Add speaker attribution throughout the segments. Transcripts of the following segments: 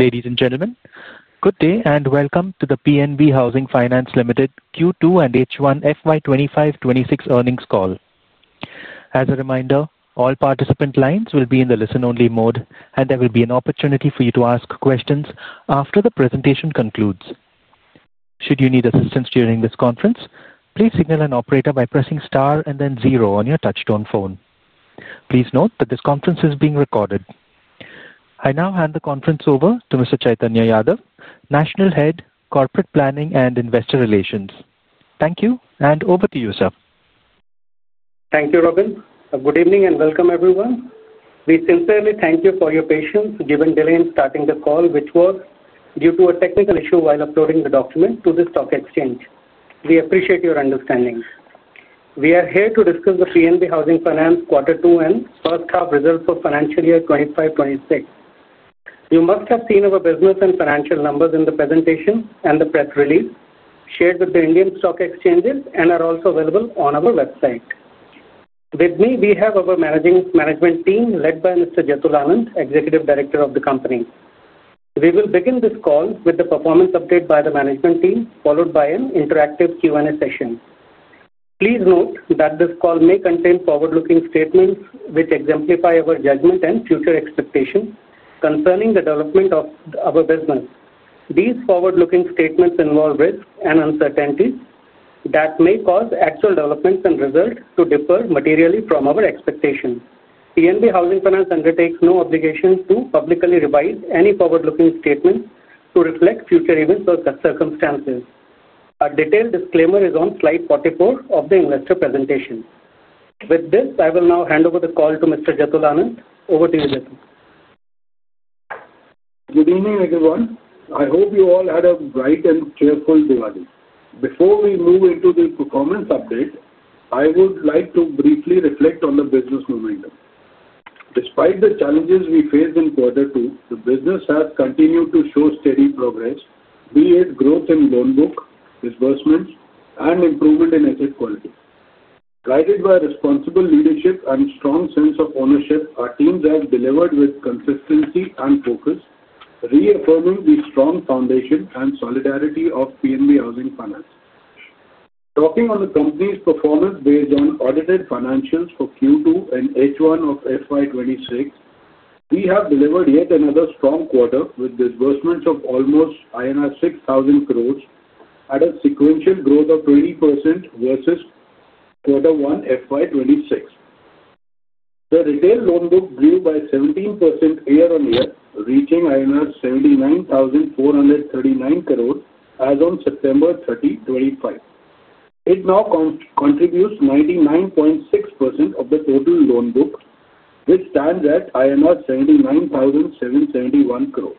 Speaker 1: Ladies and gentlemen, good day and welcome to the PNB Housing Finance Limited Q2 and H1 FY 2025-2026 earnings call. As a reminder, all participant lines will be in the listen-only mode, and there will be an opportunity for you to ask questions after the presentation concludes. Should you need assistance during this conference, please signal an operator by pressing star and then zero on your touch-tone phone. Please note that this conference is being recorded. I now hand the conference over to Mr. Chaitanya Yadav, National Head, Corporate Planning and Investor Relations. Thank you, and over to you, sir.
Speaker 2: Thank you, Robin. Good evening and welcome, everyone. We sincerely thank you for your patience given the delay in starting the call, which was due to a technical issue while uploading the document to the stock exchange. We appreciate your understanding. We are here to discuss the PNB Housing Finance quarter two and first half results for financial year 2025-2026. You must have seen our business and financial numbers in the presentation and the press release shared with the Indian stock exchanges and are also available on our website. With me, we have our management team led by Mr. Jatul Anand, Executive Director of the company. We will begin this call with the performance update by the management team, followed by an interactive Q&A session. Please note that this call may contain forward-looking statements which exemplify our judgment and future expectations concerning the development of our business. These forward-looking statements involve risks and uncertainties that may cause actual developments and results to differ materially from our expectations. PNB Housing Finance undertakes no obligation to publicly revise any forward-looking statements to reflect future events or circumstances. A detailed disclaimer is on slide 44 of the investor presentation. With this, I will now hand over the call to Mr. Jatul Anand. Over to you, Jatul.
Speaker 3: Good evening, everyone. I hope you all had a bright and cheerful day. Before we move into the performance update, I would like to briefly reflect on the business momentum. Despite the challenges we faced in quarter two, the business has continued to show steady progress, be it growth in loan book, disbursements, and improvement in asset quality. Guided by responsible leadership and a strong sense of ownership, our teams have delivered with consistency and focus, reaffirming the strong foundation and solidarity of PNB Housing Finance. Talking on the company's performance based on audited financials for Q2 and H1 of FY 2026, we have delivered yet another strong quarter with disbursements of almost INR 6,000 crore at a sequential growth of 20% versus quarter one FY 2026. The retail loan book grew by 17% year on year, reaching 79,439 crore as of September 30, 2025. It now contributes 99.6% of the total loan book, which stands at INR 79,771 crore.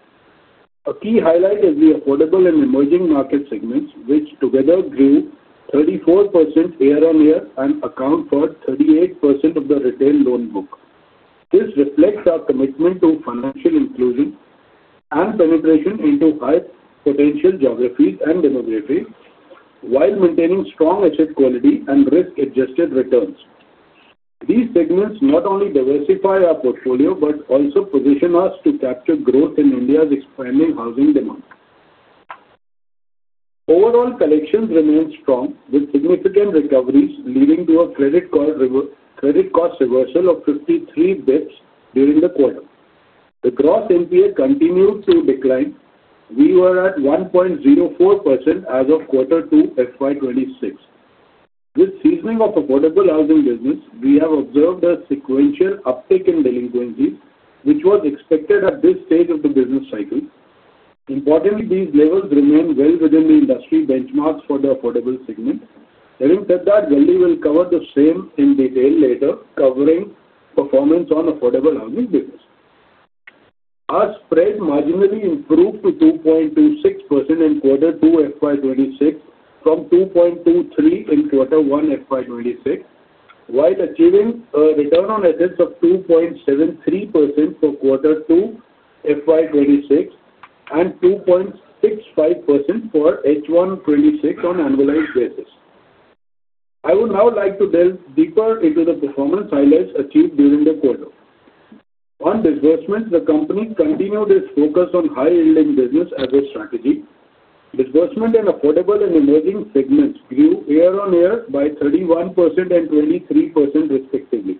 Speaker 3: A key highlight is the affordable and emerging market segments, which together grew 34% year on year and account for 38% of the retail loan book. This reflects our commitment to financial inclusion and penetration into high-potential geographies and demographics while maintaining strong asset quality and risk-adjusted returns. These segments not only diversify our portfolio but also position us to capture growth in India's expanding housing demand. Overall, collections remain strong with significant recoveries, leading to a credit cost reversal of 53 basis points during the quarter. The gross NPA continued to decline. We were at 1.04% as of quarter two FY 2026. With the seasoning of affordable housing business, we have observed a sequential uptick in delinquencies, which was expected at this stage of the business cycle. Importantly, these levels remain well within the industry benchmarks for the affordable segment. Sharing that, we will cover the same in detail later, covering performance on affordable housing business. Our spread marginally improved to 2.26% in quarter two FY 2026 from 2.23% in quarter one FY 2026, while achieving a return on assets of 2.73% for quarter two FY 2026 and 2.65% for H1 2026 on an annualized basis. I would now like to delve deeper into the performance highlights achieved during the quarter. On disbursements, the company continued its focus on high-yielding business as a strategy. Disbursement in affordable and emerging segments grew year-on-year by 31% and 23% respectively,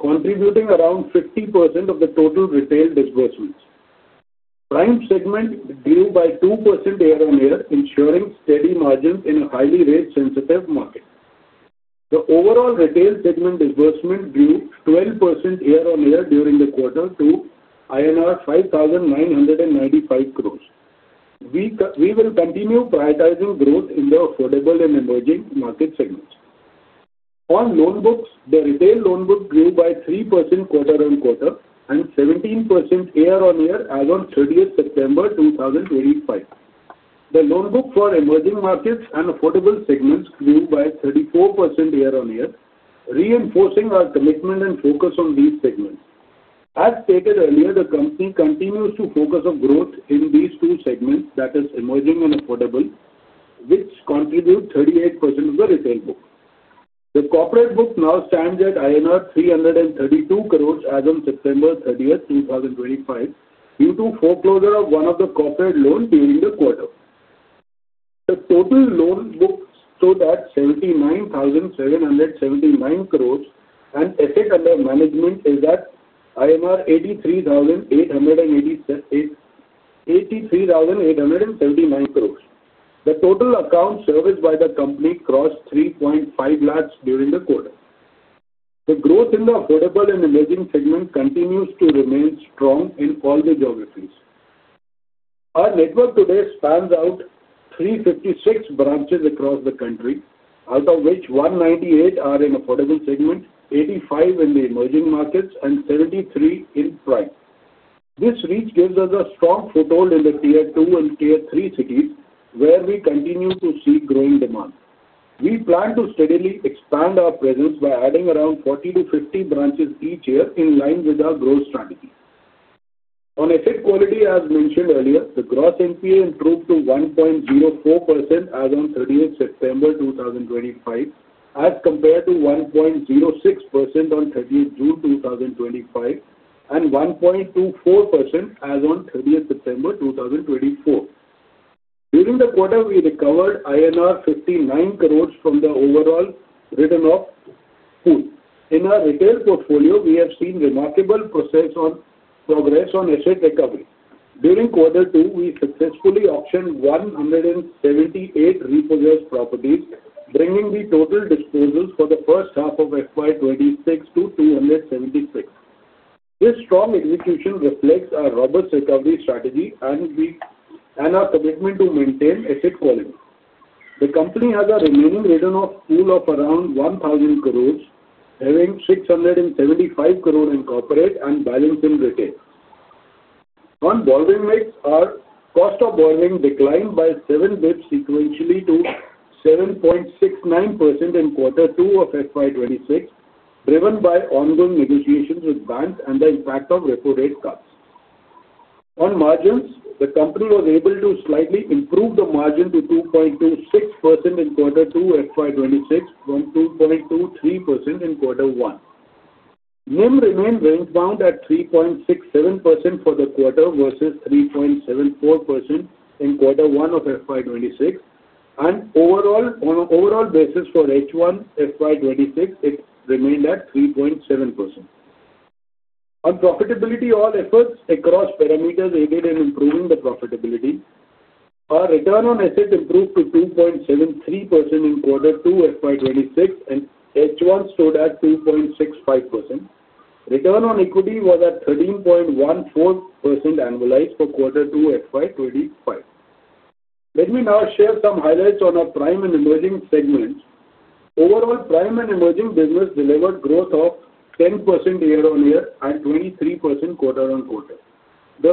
Speaker 3: contributing around 50% of the total retail disbursements. The prime segment grew by 2% year-on-year, ensuring steady margins in a highly rate-sensitive market. The overall retail segment disbursement grew 12% year-on-year during quarter two, INR 5,995 crore. We will continue prioritizing growth in the affordable and emerging market segments. On loan books, the retail loan book grew by 3% quarter-on-quarter and 17% year-on-year as of 30 September 2025. The loan book for emerging markets and affordable segments grew by 34% year-on-year, reinforcing our commitment and focus on these segments. As stated earlier, the company continues to focus on growth in these two segments that are emerging and affordable, which contribute 38% of the retail book. The corporate book now stands at INR 332 crore as of 30 September 2025, due to foreclosure of one of the corporate loans during the quarter. The total loan book stood at 79,779 crore, and assets under management is at 83,879 crore. The total accounts serviced by the company crossed 3.5 lakh during the quarter. The growth in the affordable and emerging segments continues to remain strong in all the geographies. Our network today spans out 356 branches across the country, out of which 198 are in the affordable segment, 85 in the emerging markets, and 73 in prime. This reach gives us a strong foothold in the Tier 2 and Tier 3 cities, where we continue to see growing demand. We plan to steadily expand our presence by adding around 40-50 branches each year in line with our growth strategy. On asset quality, as mentioned earlier, the gross NPA improved to 1.04% as of 30 September 2025, as compared to 1.06% on 30 June 2025 and 1.24% as of 30 September 2024. During the quarter, we recovered INR 59 crore from the overall written-off pool. In our retail portfolio, we have seen remarkable progress on asset recovery. During quarter two, we successfully auctioned 178 repurchased properties, bringing the total disposals for the first half of FY 2026 to 276. This strong execution reflects our robust recovery strategy and our commitment to maintain asset quality. The company has a remaining written-off pool of around 1,000 crore, having 675 crore in corporate and balance in retail. On borrowing rates, our cost of borrowing declined by 7 basis points sequentially to 7.69% in quarter two of FY 2026, driven by ongoing negotiations with banks and the impact of repo rate cuts. On margins, the company was able to slightly improve the margin to 2.26% in quarter two FY 2026 from 2.23% in quarter one. NIM remained range-bound at 3.67% for the quarter versus 3.74% in quarter one of FY 2026, and on an overall basis for H1 FY 2026, it remained at 3.7%. On profitability, all efforts across parameters aided in improving the profitability. Our return on assets improved to 2.73% in quarter two FY 2026, and H1 stood at 2.65%. Return on equity was at 13.14% annualized for quarter two FY 2026. Let me now share some highlights on our prime and emerging segments. Overall, prime and emerging business delivered growth of 10% year-on-year and 23% quarter-on-quarter. The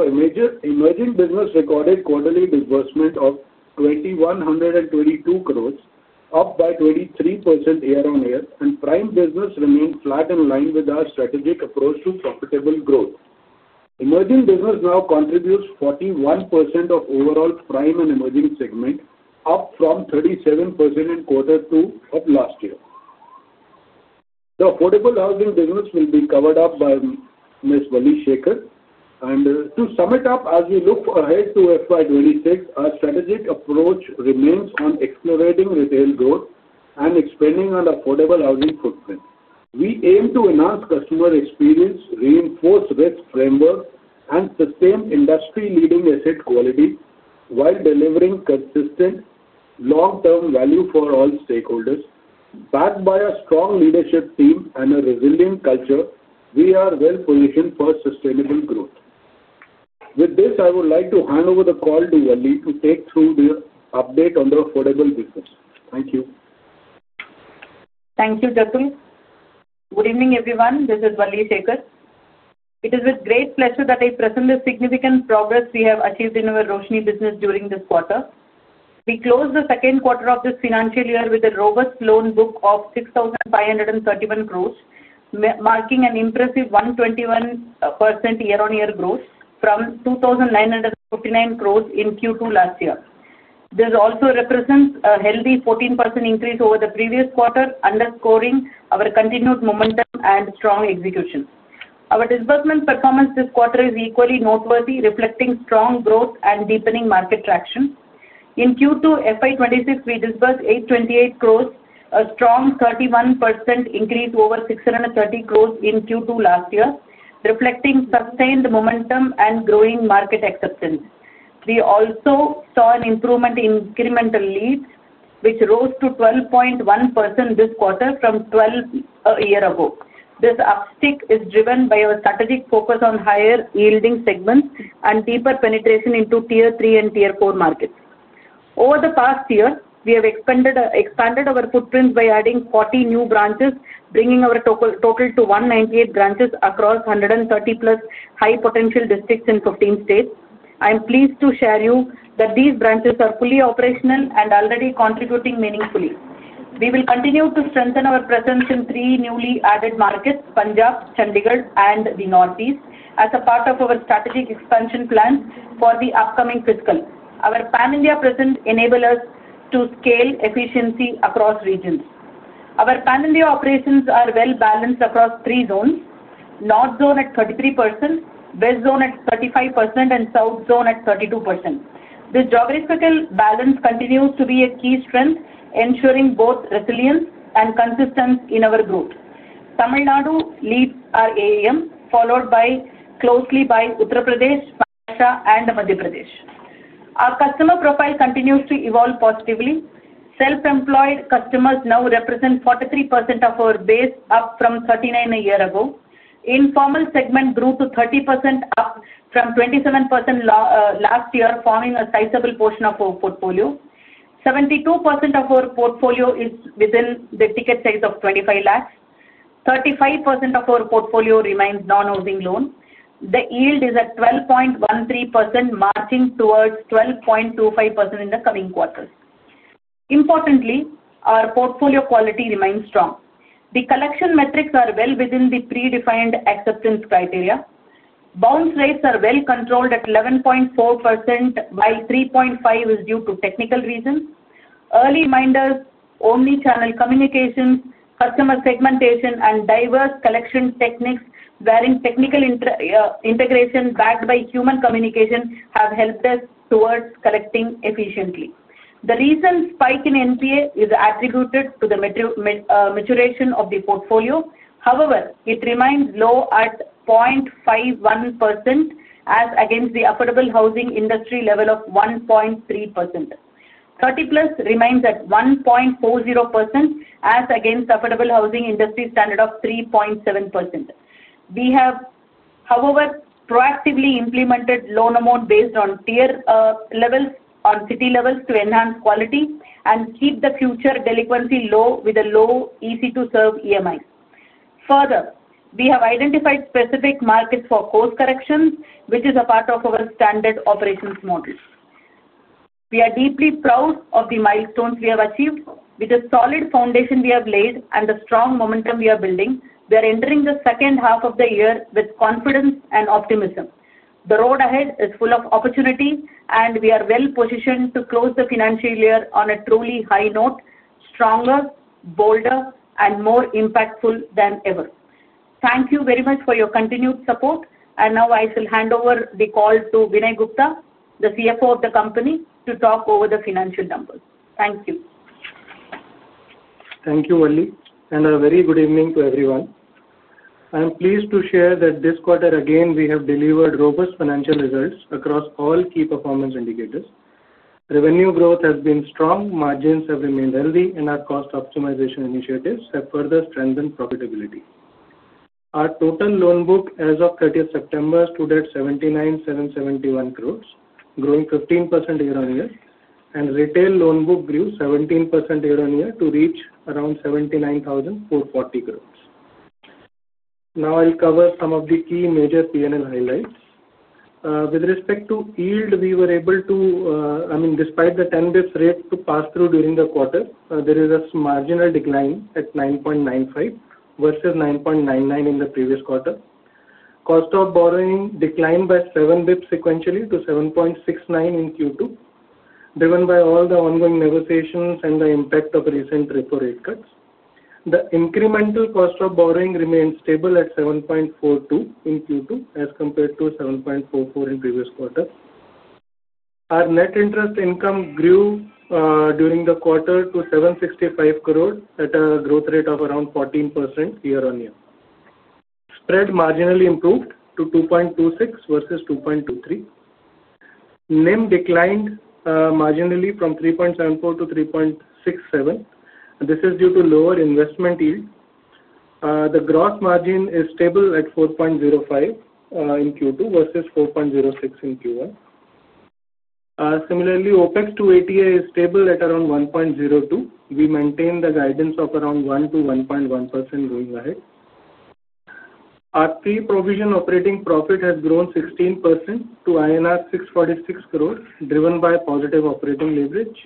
Speaker 3: emerging business recorded quarterly disbursement of 2,122 crore, up by 23% year-on-year, and prime business remained flat in line with our strategic approach to profitable growth. Emerging business now contributes 41% of overall prime and emerging segment, up from 37% in quarter two of last year. The affordable housing business will be covered by Ms. Valli Sekar. To sum it up, as we look ahead to FY 2026, our strategic approach remains on accelerating retail growth and expanding our affordable housing footprint. We aim to enhance customer experience, reinforce risk framework, and sustain industry-leading asset quality while delivering consistent long-term value for all stakeholders. Backed by a strong leadership team and a resilient culture, we are well positioned for sustainable growth. With this, I would like to hand over the call to Valli to take through the update on the affordable business. Thank you.
Speaker 4: Thank you, Jatul. Good evening, everyone. This is Valli Sekar. It is with great pleasure that I present the significant progress we have achieved in our Roshni business during this quarter. We closed the second quarter of this financial year with a robust loan book of 6,531 crore, marking an impressive 121% year-on-year growth from 2,959 crore in Q2 last year. This also represents a healthy 14% increase over the previous quarter, underscoring our continued momentum and strong execution. Our disbursement performance this quarter is equally noteworthy, reflecting strong growth and deepening market traction. In Q2 FY 2026, we disbursed 828 crore, a strong 31% increase over 630 crore in Q2 last year, reflecting sustained momentum and growing market acceptance. We also saw an improvement in incremental leads, which rose to 12.1% this quarter from 12% a year ago. This uptick is driven by our strategic focus on higher yielding segments and deeper penetration into Tier 3 and Tier 4 geographies. Over the past year, we have expanded our footprint by adding 40 new branches, bringing our total to 198 branches across 130+ high-potential districts in 15 states. I am pleased to share with you that these branches are fully operational and already contributing meaningfully. We will continue to strengthen our presence in three newly added markets: Punjab, Chandigarh, and the Northeast, as a part of our strategic expansion plans for the upcoming fiscal. Our pan-India presence enables us to scale efficiency across regions. Our pan-India operations are well balanced across three zones: North Zone at 33%, West Zone at 35%, and South Zone at 32%. This geographical balance continues to be a key strength, ensuring both resilience and consistency in our growth. Tamil Nadu leads our AEM, followed closely by Uttar Pradesh, Punjab, and Madhya Pradesh. Our customer profile continues to evolve positively. Self-employed customers now represent 43% of our base, up from 39% a year ago. Informal segment grew to 30%, up from 27% last year, forming a sizable portion of our portfolio. 72% of our portfolio is within the ticket size of 25 lakh. 35% of our portfolio remains non-housing loan. The yield is at 12.13%, marching towards 12.25% in the coming quarters. Importantly, our portfolio quality remains strong. The collection metrics are well within the predefined acceptance criteria. Bounce rates are well controlled at 11.4%, while 3.5% is due to technical reasons. Early reminders, omnichannel communications, customer segmentation, and diverse collection techniques, varying technical integration backed by human communication, have helped us towards collecting efficiently. The recent spike in NPA is attributed to the maturation of the portfolio. However, it remains low at 0.51%, as against the affordable housing industry level of 1.3%. 30+ remains at 1.40%, as against the affordable housing industry standard of 3.7%. We have, however, proactively implemented loan amount based on tier levels on city levels to enhance quality and keep the future delinquency low with a low EC2 serve EMI. Further, we have identified specific markets for course corrections, which is a part of our standard operations model. We are deeply proud of the milestones we have achieved. With a solid foundation we have laid and the strong momentum we are building, we are entering the second half of the year with confidence and optimism. The road ahead is full of opportunity, and we are well positioned to close the financial year on a truly high note: stronger, bolder, and more impactful than ever. Thank you very much for your continued support. I shall hand over the call to Vinay Gupta, the CFO of the company, to talk over the financial numbers. Thank you.
Speaker 5: Thank you, Valli, and a very good evening to everyone. I am pleased to share that this quarter, again, we have delivered robust financial results across all key performance indicators. Revenue growth has been strong, margins have remained healthy, and our cost optimization initiatives have further strengthened profitability. Our total loan book as of 30 September stood at 79,771 crores, growing 15% year-on-year, and retail loan book grew 17% year-on-year to reach around 79,440 crores. Now I'll cover some of the key major P&L highlights. With respect to yield, we were able to, despite the 10 basis points rate to pass through during the quarter, there is a marginal decline at 9.95% versus 9.99% in the previous quarter. Cost of borrowing declined by 7 basis points sequentially to 7.69% in Q2, driven by all the ongoing negotiations and the impact of recent repo rate cuts. The incremental cost of borrowing remains stable at 7.42% in Q2 as compared to 7.44% in previous quarters. Our net interest income grew during the quarter to 765 crores at a growth rate of around 14% year-on-year. Spread marginally improved to 2.26% versus 2.23%. NIM declined marginally from 3.74% to 3.67%. This is due to lower investment yield. The gross margin is stable at 4.05% in Q2 versus 4.06% in Q1. Similarly, OpEx to ATA is stable at around 1.02%. We maintain the guidance of around 1% to 1.1% going ahead. Our pre-provision operating profit has grown 16% to INR 646 crores, driven by positive operating leverage.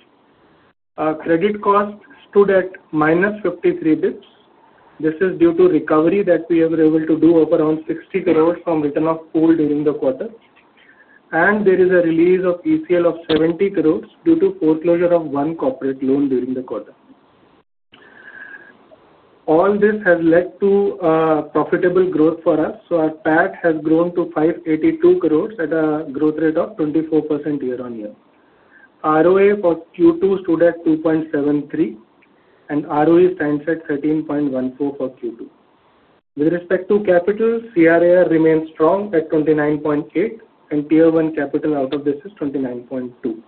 Speaker 5: Our credit cost stood at minus 53 basis points. This is due to recovery that we were able to do of around 60 crores from written-off pool during the quarter. There is a release of ECL of 70 crores due to foreclosure of one corporate loan during the quarter. All this has led to profitable growth for us. Our PAT has grown to 582 crores at a growth rate of 24% year-on-year. ROA for Q2 stood at 2.73%, and ROE stands at 13.14% for Q2. With respect to capital, CRAR remains strong at 29.8%, and Tier 1 capital out of this is 29.2%.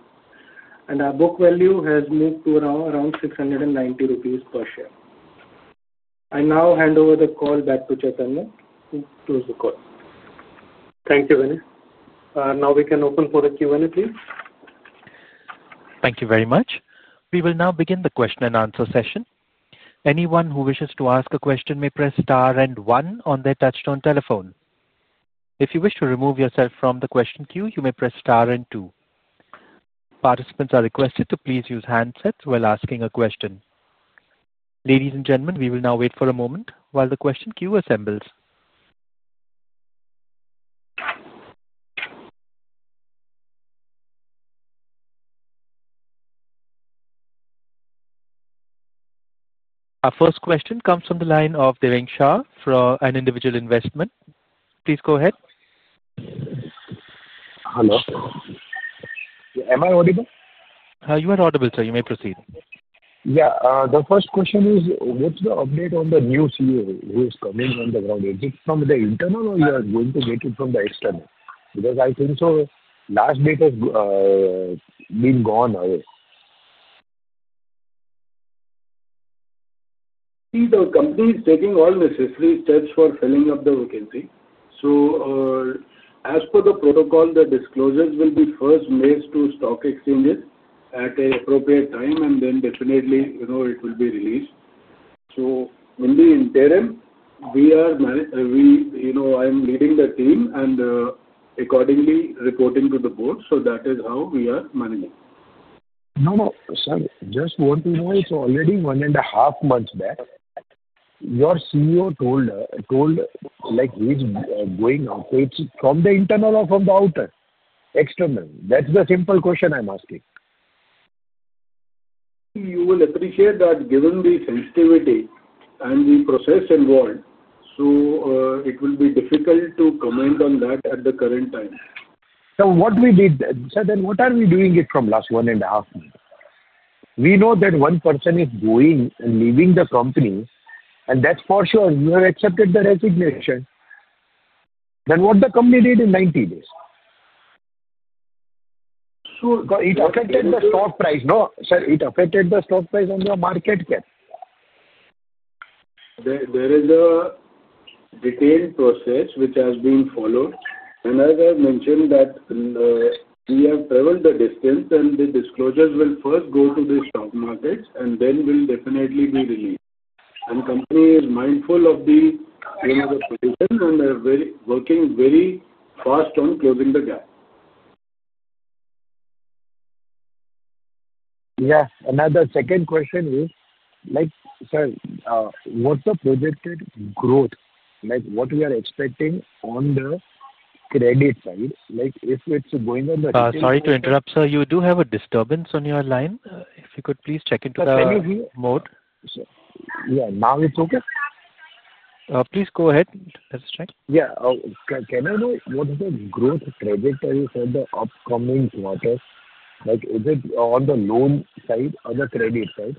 Speaker 5: Our book value has moved to around 690 rupees per share. I now hand over the call back to Chaitanya Yadav, who closed the call.
Speaker 2: Thank you, Vinay. Now we can open for the Q&A, please.
Speaker 1: Thank you very much. We will now begin the question and answer session. Anyone who wishes to ask a question may press star and one on their touch-tone telephone. If you wish to remove yourself from the question queue, you may press star and two. Participants are requested to please use handsets while asking a question. Ladies and gentlemen, we will now wait for a moment while the question queue assembles. Our first question comes from the line of Derinkshah for an individual investment. Please go ahead. Hello. Am I audible? You are audible, sir. You may proceed. Yeah. The first question is, what's the update on the new CEO who is coming on the ground? Is it from the internal, or you are going to get it from the external? I think the last date has been gone away.
Speaker 3: The company is taking all necessary steps for filling up the vacancy. As per the protocol, the disclosures will be first raised to stock exchanges at an appropriate time, and then definitely, you know, it will be released. Only in the interim, we are managing. I am leading the team and accordingly reporting to the board. That is how we are managing. No, sir, just want to know, it's already one and a half months back. Your CEO told, told like he's going updates from the internal or from the outer external. That's the simple question I'm asking. You will appreciate that given the sensitivity and the process involved, it will be difficult to comment on that at the current time. What we did, sir, then what are we doing from last one and a half months? We know that one person is going and leaving the company, and that's for sure. You have accepted the resignation. What the company did in 90 days? It affected the stock price. No, sir, it affected the stock price and the market cap. There is a detailed process which has been followed. As I mentioned, we have traveled the distance, and the disclosures will first go to the stock markets and then will definitely be released. The company is mindful of the position and they're working very fast on closing the gap. Yes. Another second question is, like, sir, what's the projected growth? Like, what we are expecting on the credit side? Like, if it's going on the credit side.
Speaker 1: Sorry to interrupt, sir. You do have a disturbance on your line. If you could please check into the mode. Can you hear me? Yeah, now it's okay. Please go ahead. Let's check. Yeah. Can I know what's the growth trajectory for the upcoming quarter? Like, is it on the loan side or the credit side?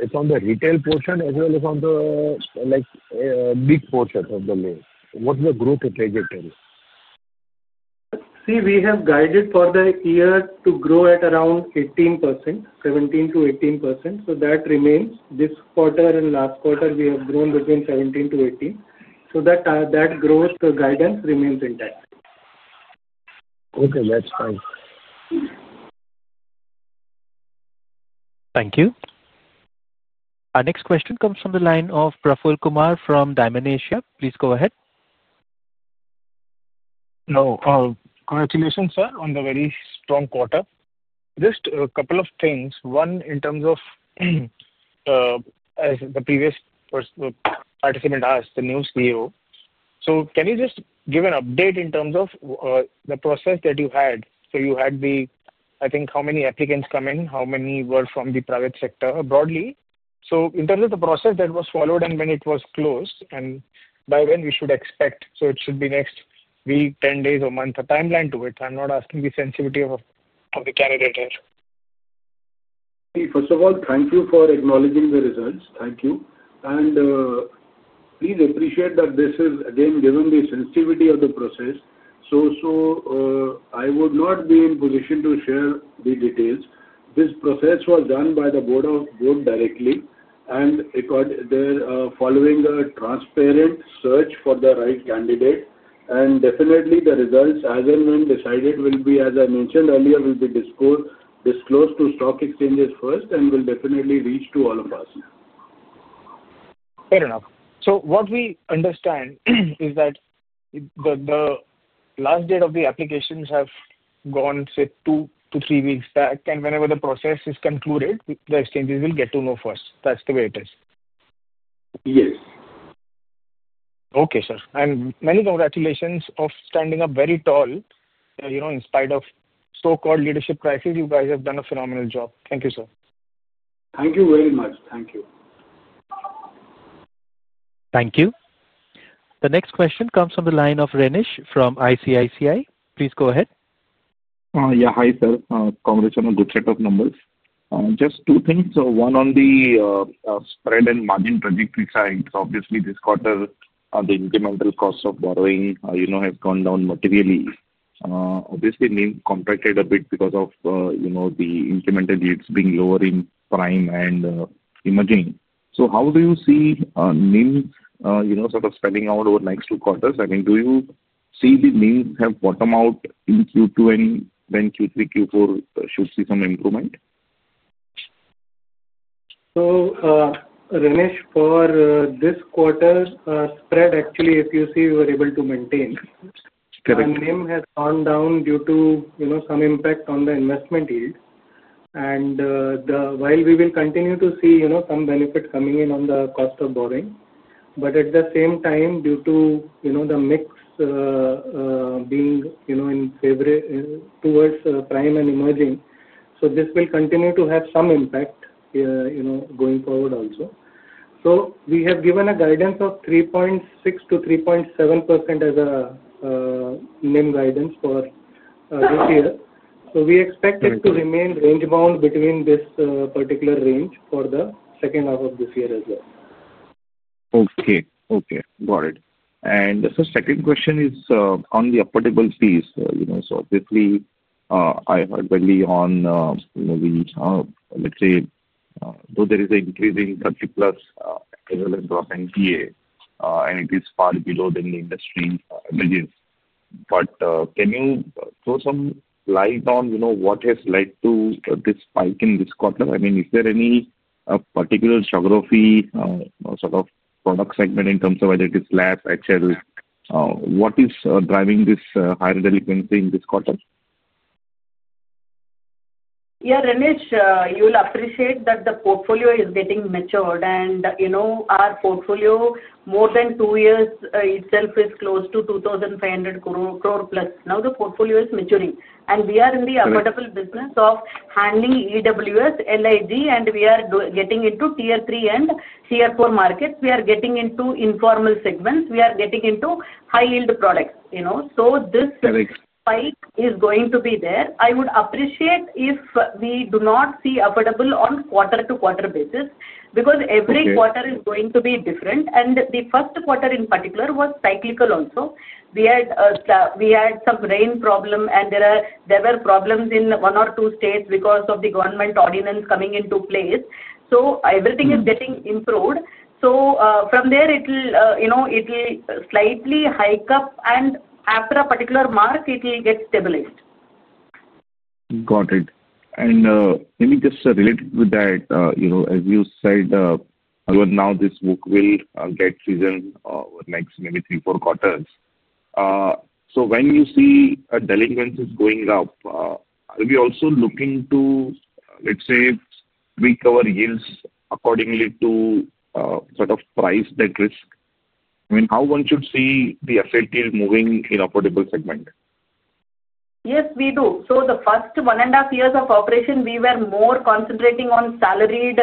Speaker 1: It's on the retail portion as well as on the big portion of the loan. What's the growth trajectory?
Speaker 5: We have guided for the year to grow at around 18%, 17 to 18%. That remains. This quarter and last quarter, we have grown between 17 to 18%. That growth guidance remains intact. Okay, that's fine.
Speaker 1: Thank you. Our next question comes from the line of Praful Kumar from Dymon Asia. Please go ahead.
Speaker 6: Congratulations, sir, on the very strong quarter. Just a couple of things. One, in terms of the previous participant asked the new CEO. Can you just give an update in terms of the process that you had? How many applicants came in, how many were from the private sector broadly? In terms of the process that was followed and when it was closed and by when we should expect. Should it be next week, 10 days, a month, a timeline to it? I'm not asking the sensitivity of the candidate here.
Speaker 3: First of all, thank you for acknowledging the results. Thank you. Please appreciate that this is, again, given the sensitivity of the process. I would not be in position to share the details. This process was done by the Board directly and they are following a transparent search for the right candidate. Definitely, the results, as and when decided, will be, as I mentioned earlier, disclosed to stock exchanges first and will definitely reach to all of us.
Speaker 6: Fair enough. What we understand is that the last date of the applications has gone, say, two to three weeks back, and whenever the process is concluded, the exchanges will get to know first. That's the way it is.
Speaker 3: Yes.
Speaker 6: Okay, sir. Many congratulations on standing up very tall. In spite of so-called leadership crisis, you guys have done a phenomenal job. Thank you, sir.
Speaker 3: Thank you very much. Thank you.
Speaker 1: Thank you. The next question comes from the line of Ramesh from ICICI. Please go ahead. Yeah. Hi, sir. Congrats on a good set of numbers. Just two things. One on the spread and margin trajectory side. Obviously, this quarter, the incremental cost of borrowing has gone down materially. Obviously, NIM contracted a bit because of the incremental leads being lower in prime and emerging. How do you see NIM's sort of spelling out over the next two quarters? I mean, do you see the NIM have bottomed out in Q2 and then Q3, Q4 should see some improvement?
Speaker 5: Ramesh, for this quarter, spread actually, if you see, we were able to maintain. Correct. NIM has gone down due to some impact on the investment yield. While we will continue to see some benefits coming in on the cost of borrowing, at the same time, due to the mix being in favor towards prime and emerging, this will continue to have some impact going forward also. We have given a guidance of 3.6% to 3.7% as a NIM guidance for this year. We expect it to remain range-bound between this particular range for the second half of this year as well. Okay. Got it. The second question is on the affordable fees. Obviously, I heard early on, you know, we, let's say, though there is an increase in 30+ equivalent of NPA, and it is far below than the industry images. Can you throw some light on what has led to this spike in this quarter? I mean, is there any particular geography, sort of product segment in terms of whether it is labs, etc.? What is driving this higher delinquency in this quarter?
Speaker 4: Yeah, Ramesh, you will appreciate that the portfolio is getting matured. You know, our portfolio, more than two years, itself is close to 2,500 crore plus. Now the portfolio is maturing, and we are in the affordable business of handling EWS, LID, and we are getting into Tier 3 and Tier 4 markets. We are getting into informal segments. We are getting into high-yield products, so this spike is going to be there. I would appreciate if we do not see affordable on a quarter-to-quarter basis because every quarter is going to be different. The first quarter in particular was cyclical also. We had some rain problem, and there were problems in one or two states because of the government ordinance coming into place. Everything is getting improved. From there, it'll, you know, it'll slightly hike up, and after a particular mark, it'll get stabilized. Got it. Let me just relate with that. You know, as you said, now this book will get seasoned over the next, maybe, three, four quarters. When you see delinquencies going up, are we also looking to, let's say, recover yields accordingly to sort of price that risk? I mean, how one should see the asset yield moving in affordable segment? Yes, we do. The first one and a half years of operation, we were more concentrating on salaried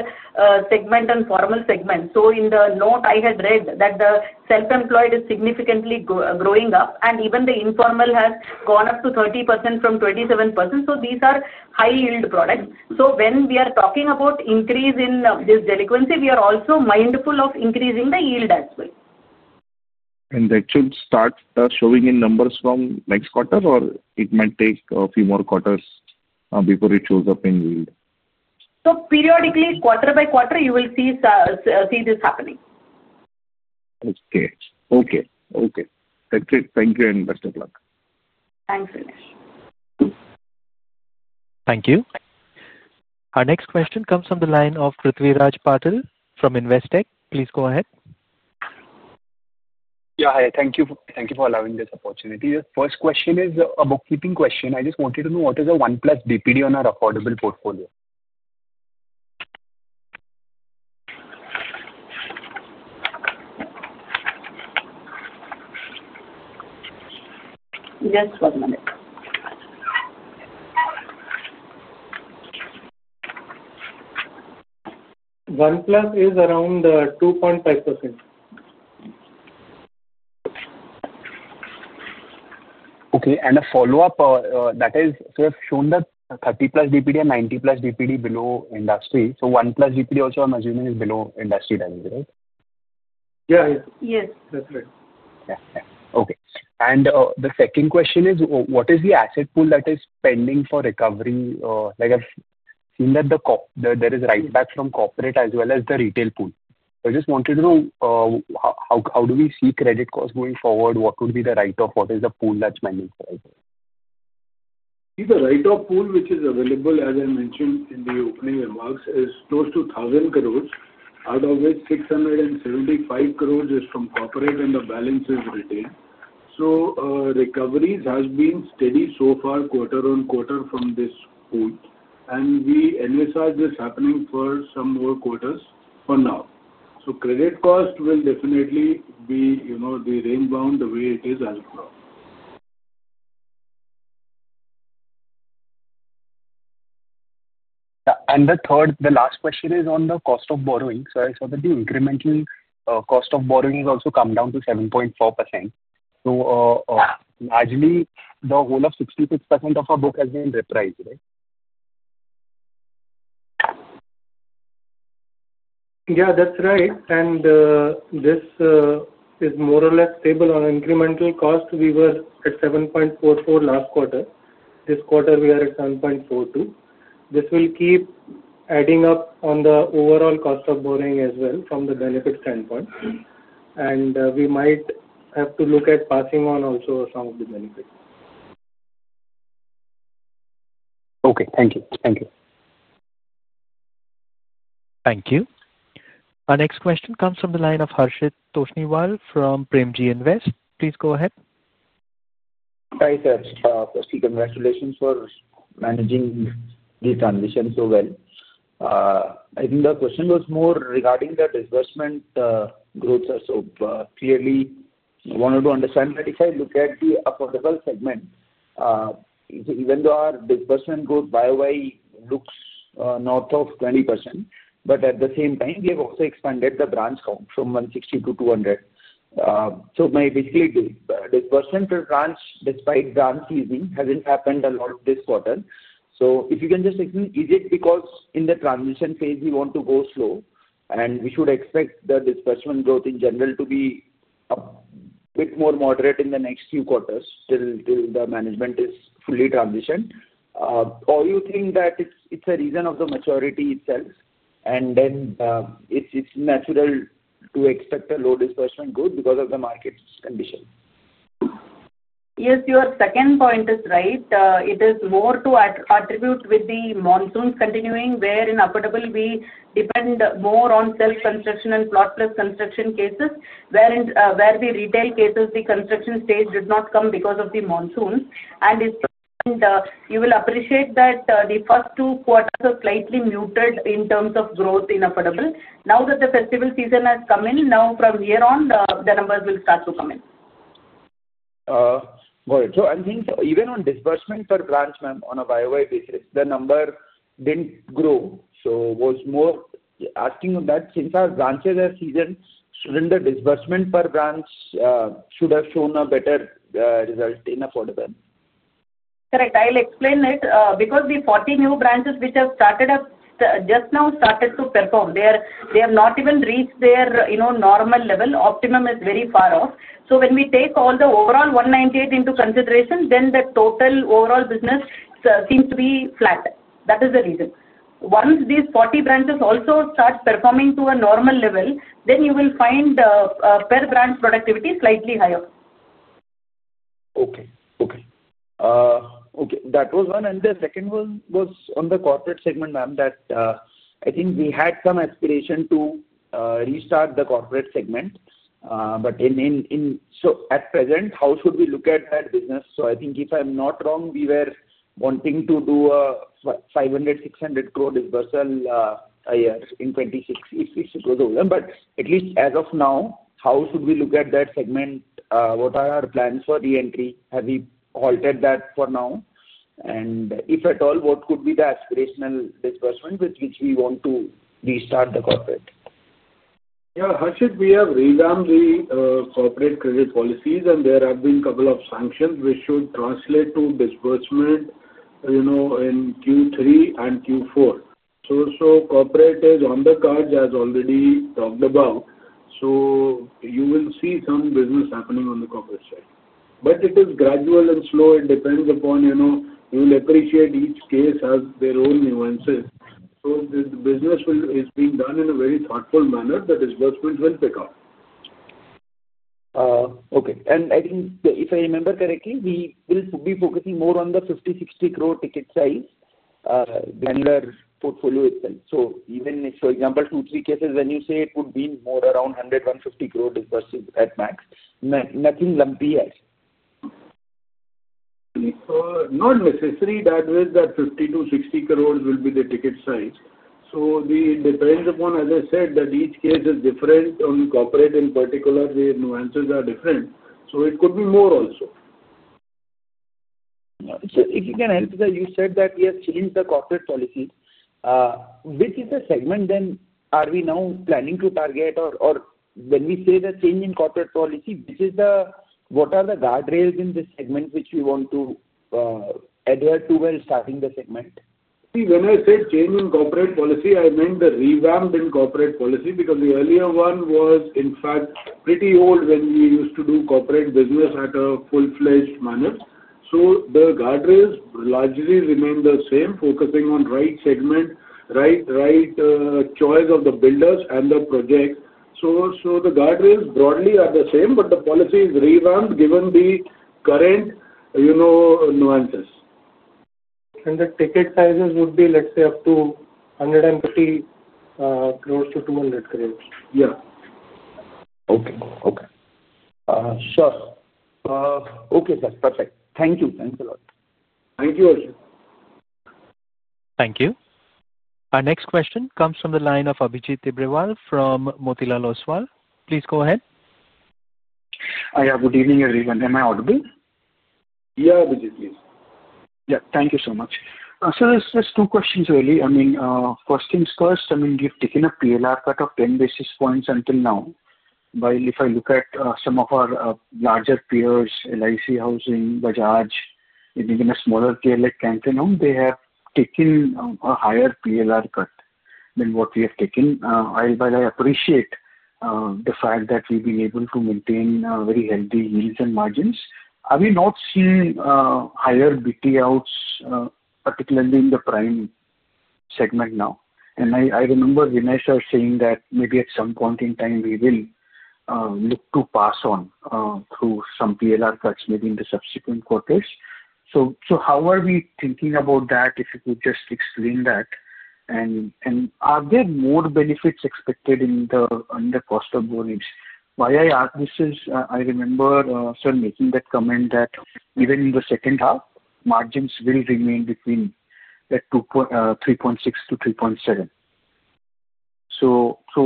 Speaker 4: segment and formal segment. In the note I had read that the self-employed is significantly growing up, and even the informal has gone up to 30% from 27%. These are high-yield products. When we are talking about increase in this delinquency, we are also mindful of increasing the yield as well. Should that start showing in numbers from next quarter, or might it take a few more quarters before it shows up in yield? Periodically, quarter by quarter, you will see this happening. Okay. That's it. Thank you and best of luck. Thanks, Ramesh.
Speaker 1: Thank you. Our next question comes from the line of Prithviraj Patil from Investec. Please go ahead.
Speaker 7: Yeah. Hi. Thank you. Thank you for allowing this opportunity. The first question is a bookkeeping question. I just wanted to know what is a 1+ DPD on our affordable portfolio.
Speaker 4: Just one minute.
Speaker 5: 1+ is around 2.5%.
Speaker 7: Okay. A follow-up, that is, we have shown that 30+ DPD and 90+ DPD are below industry. 1+ DPD also, I'm assuming, is below industry level, right?
Speaker 2: Yeah, yeah.
Speaker 4: Yes.
Speaker 5: That's right.
Speaker 7: Okay. The second question is, what is the asset pool that is pending for recovery? I've seen that there are write-backs from corporate as well as the retail pool. I just wanted to know, how do we see credit costs going forward? What would be the write-off? What is the pool that's pending for right now?
Speaker 3: See, the written-off pool, which is available, as I mentioned in the opening remarks, is close to 1,000 crore, out of which 675 crore is from corporate and the balance is retained. Recoveries have been steady so far, quarter-on-quarter, from this pool. We envisage this happening for some more quarters for now. Credit cost will definitely be, you know, the rainbound the way it is as well.
Speaker 7: The third, the last question is on the cost of borrowing. I saw that the incremental cost of borrowing has also come down to 7.4%. Largely, the whole of 66% of our book has been repriced, right?
Speaker 5: Yeah, that's right. This is more or less stable on incremental cost. We were at 7.44 last quarter. This quarter, we are at 7.42. This will keep adding up on the overall cost of borrowing as well from the benefit standpoint. We might have to look at passing on also some of the benefits.
Speaker 7: Okay, thank you. Thank you.
Speaker 1: Thank you. Our next question comes from the line of Harshit Toshniwal from Premji Invest. Please go ahead.
Speaker 8: Hi, sir. First, congratulations for managing the transition so well. I think the question was more regarding the disbursement growth. I wanted to understand that if I look at the affordable segment, even though our disbursement growth by way looks north of 20%, at the same time, we have also expanded the branch count from 160 to 200. Basically, the disbursement per branch, despite branch easing, hasn't happened a lot this quarter. If you can just explain, is it because in the transition phase, we want to go slow and we should expect the disbursement growth in general to be a bit more moderate in the next few quarters till the management is fully transitioned? Or do you think that it's a reason of the maturity itself and then it's natural to expect a low disbursement growth because of the market's condition?
Speaker 4: Yes, your second point is right. It is more to attribute with the monsoons continuing, where in affordable, we depend more on self-construction and plotless construction cases. Where in retail cases, the construction stage did not come because of the monsoons. You will appreciate that the first two quarters are slightly muted in terms of growth in affordable. Now that the festival season has come in, from here on, the numbers will start to come in.
Speaker 8: Got it. I'm saying even on disbursement per branch, ma'am, on a by-way basis, the number didn't grow. I was more asking that since our branches are seasoned, shouldn't the disbursement per branch have shown a better result in affordable?
Speaker 4: Correct. I'll explain it. Because the 40 new branches which have started up just now started to perform, they have not even reached their normal level. Optimum is very far off. When we take all the overall 198 into consideration, the total overall business seems to be flat. That is the reason. Once these 40 branches also start performing to a normal level, you will find the per branch productivity slightly higher.
Speaker 8: Okay. That was one. The second one was on the corporate segment, ma'am, that I think we had some aspiration to restart the corporate segment. At present, how should we look at that business? I think if I'm not wrong, we were wanting to do an 500, 600 crore disbursal a year in 2026 if it goes over. At least as of now, how should we look at that segment? What are our plans for reentry? Have we halted that for now? If at all, what could be the aspirational disbursement with which we want to restart the corporate?
Speaker 3: Yeah. Harshit, we have revamped the corporate credit policies, and there have been a couple of sanctions which should translate to disbursement in Q3 and Q4. Corporate is on the cards as already talked about. You will see some business happening on the corporate side. It is gradual and slow. It depends upon, you know, you will appreciate each case has their own nuances. The business is being done in a very thoughtful manner that disbursement will pick up.
Speaker 8: Okay. I think if I remember correctly, we will be focusing more on the 50 crore, 60 crore ticket size because in our portfolio itself. For example, even if two, three cases, when you say it would be more around 100 crore, 150 crore disbursals at max, nothing lumpy yet.
Speaker 3: Not necessary. That was that 50 to 60 crore will be the ticket size. It depends upon, as I said, that each case is different. On corporate in particular, the nuances are different. It could be more also.
Speaker 8: You said that we have changed the corporate policies. Which is the segment then are we now planning to target? When we say the change in corporate policy, what are the guardrails in this segment which we want to adhere to while starting the segment?
Speaker 3: See, when I say change in corporate policy, I meant the revamp in corporate policy because the earlier one was, in fact, pretty old when we used to do corporate business in a full-fledged manner. The guardrails largely remain the same, focusing on the right segment, right choice of the builders and the projects. The guardrails broadly are the same, but the policy is revamped given the current nuances.
Speaker 5: The ticket sizes would be, let's say, up to 150 crore to 200 crore.
Speaker 3: Yeah.
Speaker 8: Okay. Okay. Sure. Okay, sir. Perfect. Thank you. Thanks a lot.
Speaker 3: Thank you, Harshit.
Speaker 1: Thank you. Our next question comes from the line of Abhijit Tibrewal from Motilal Oswal. Please go ahead.
Speaker 9: Hi, Abhi. Good evening, everyone. Am I audible?
Speaker 3: Yeah, Abhijit, please.
Speaker 9: Yeah. Thank you so much. Sir, there's just two questions really. First things first, we've taken a PLR cut of 10 basis points until now. While if I look at some of our larger peers, LIC Housing, Bajaj, and even a smaller peer like Canton Home, they have taken a higher PLR cut than what we have taken. While I appreciate the fact that we've been able to maintain very healthy yields and margins, are we not seeing higher BT outs, particularly in the prime segment now? I remember Vinay sir saying that maybe at some point in time, we will look to pass on through some PLR cuts maybe in the subsequent quarters. How are we thinking about that? If you could just explain that. Are there more benefits expected in the cost of borrowings? I ask this because I remember sir making that comment that even in the second half, margins will remain between that 2.6%-3.7%.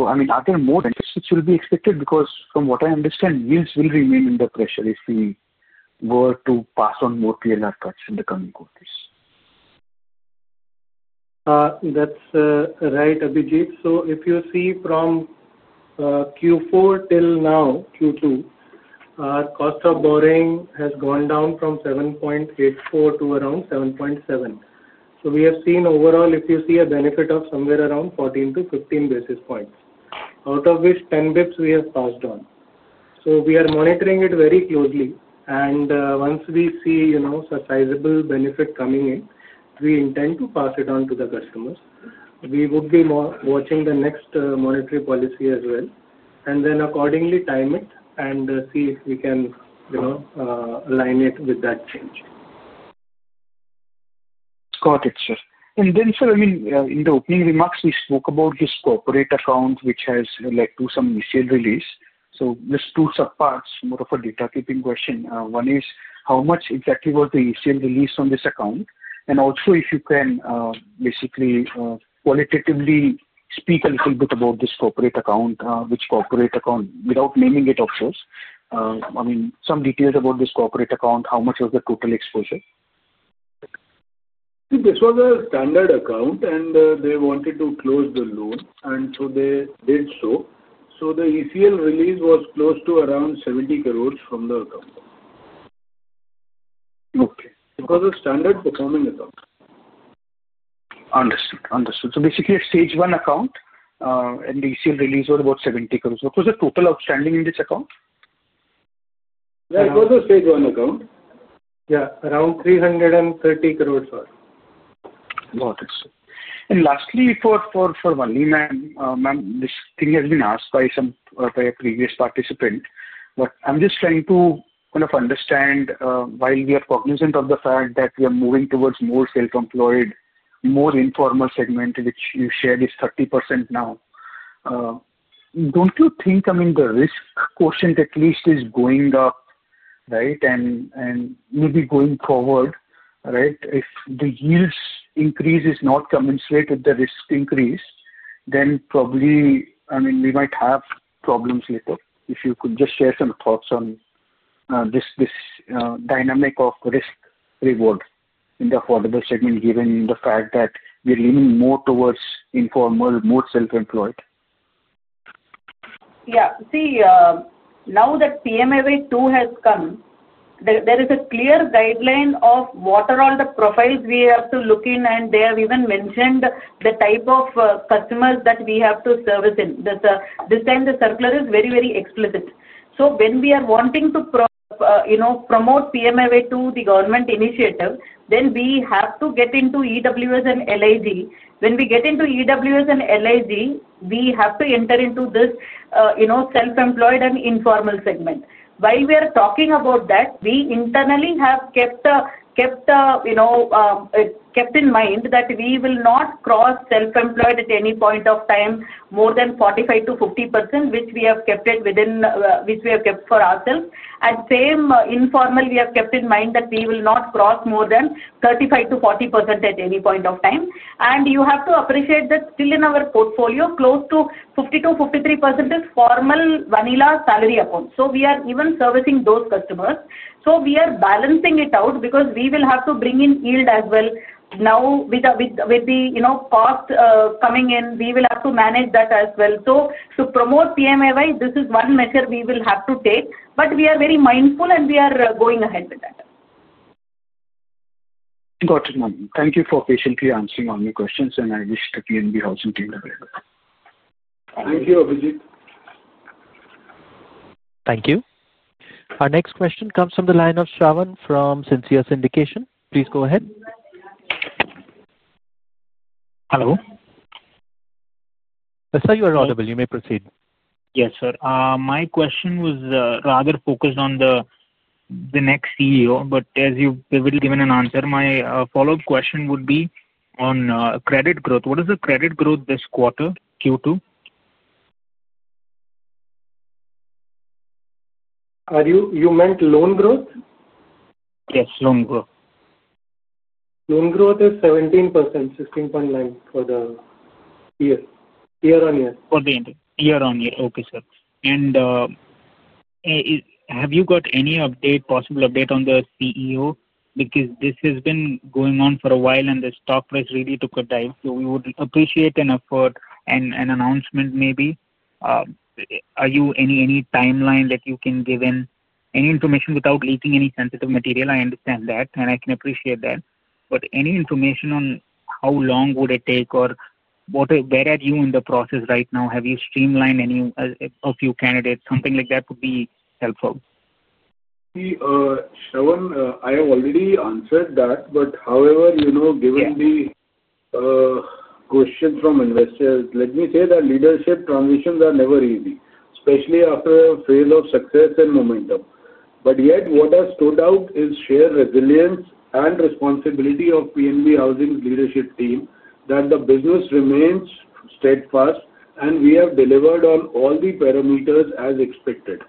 Speaker 9: Are there more benefits which will be expected? From what I understand, yields will remain under pressure if we were to pass on more PLR cuts in the coming quarters.
Speaker 5: That's right, Abhijit. If you see from Q4 till now, Q2, our cost of borrowing has gone down from 7.84% to around 7.7%. We have seen overall, if you see, a benefit of somewhere around 14 to 15 basis points, out of which 10 basis points we have passed on. We are monitoring it very closely. Once we see such sizable benefit coming in, we intend to pass it on to the customers. We would be watching the next monetary policy as well and then accordingly time it and see if we can align it with that change.
Speaker 9: Got it, sir. In the opening remarks, we spoke about this corporate account, which has led to some ECL release. There are two subparts, more of a data-keeping question. One is how much exactly was the ECL release on this account? Also, if you can basically qualitatively speak a little bit about this corporate account, which corporate account, without naming it, of course, some details about this corporate account, how much was the total exposure?
Speaker 3: This was a standard account, and they wanted to close the loan, and they did so. The ECL release was close to around 70 crore from the account.
Speaker 9: Okay.
Speaker 3: It was a standard performing account.
Speaker 9: Understood. Understood. Basically, a stage one account, and the ECL release was about 70 crore. What was the total outstanding in this account?
Speaker 3: Yeah, it was a stage one account. Yeah, around 330 crore, sir.
Speaker 9: Got it, sir. Lastly, for money, ma'am, this thing has been asked by some previous participants. I'm just trying to kind of understand, while we are cognizant of the fact that we are moving towards more self-employed, more informal segment, which you shared is 30% now, don't you think the risk quotient at least is going up, right? Maybe going forward, if the yields increase is not commensurate with the risk increase, then probably we might have problems later. If you could just share some thoughts on this dynamic of risk-reward in the affordable segment given the fact that we are leaning more towards informal, more self-employed.
Speaker 4: Yeah. See, now that PMAY 2 has come, there is a clear guideline of what are all the profiles we have to look in, and they have even mentioned the type of customers that we have to service in. This time, the circular is very, very explicit. When we are wanting to, you know, promote PMAY 2, the government initiative, we have to get into EWS and LIG. When we get into EWS and LIG, we have to enter into this, you know, self-employed and informal segment. While we are talking about that, we internally have kept in mind that we will not cross self-employed at any point of time more than 45%-50%, which we have kept for ourselves. The same informal, we have kept in mind that we will not cross more than 35%-40% at any point of time. You have to appreciate that still in our portfolio, close to 52%-53% is formal vanilla salary accounts. We are even servicing those customers. We are balancing it out because we will have to bring in yield as well. Now with the cost coming in, we will have to manage that as well. To promote PMAY 2, this is one measure we will have to take. We are very mindful and we are going ahead with that.
Speaker 9: Got it, ma'am. Thank you for patiently answering all my questions, and I wish the PNB Housing Team the very best.
Speaker 3: Thank you, Abhijit.
Speaker 1: Thank you. Our next question comes from the line of Shravan from Sincere Syndication. Please go ahead. Hello? Sir, you are audible. You may proceed. Yes, sir. My question was rather focused on the next CEO. As you've already given an answer, my follow-up question would be on credit growth. What is the credit growth this quarter, Q2?
Speaker 5: You meant loan growth? Yes, loan growth. Loan growth is 17%, 16.9% for the year, year-on-year. For the year on year. Okay, sir. Have you got any update, possible update on the CEO? This has been going on for a while and the stock price really took a dive. We would appreciate an effort and an announcement maybe. Are you any timeline that you can give in? Any information without leaking any sensitive material? I understand that and I can appreciate that. Any information on how long would it take or where are you in the process right now? Have you streamlined any of your candidates? Something like that would be helpful.
Speaker 3: Shravan, I have already answered that. However, given the question from investors, let me say that leadership transitions are never easy, especially after a phase of success and momentum. Yet, what has stood out is shared resilience and responsibility of PNB Housing's leadership team that the business remains steadfast and we have delivered on all the parameters as expected.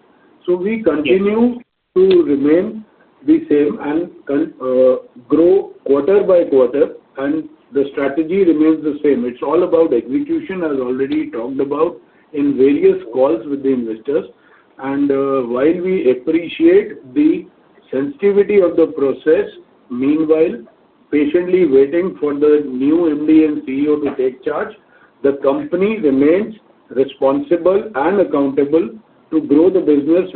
Speaker 3: We continue to remain the same and grow quarter by quarter, and the strategy remains the same. It is all about execution, as already talked about in various calls with the investors. While we appreciate the sensitivity of the process, meanwhile, patiently waiting for the new MD and CEO to take charge, the company remains responsible and accountable to grow the business